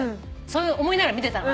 そう思いながら見てたの。